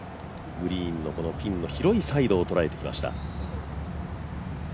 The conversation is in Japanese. グリーンのピンの広いサイドを捉えてきました。